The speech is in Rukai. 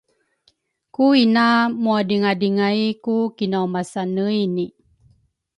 ku ina muadringadringay ku kinaumasaneini.